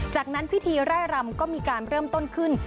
จากนั้นพิธีไร่รำก็มีการเริ่มต้นขึ้น